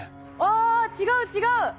あ違う違う。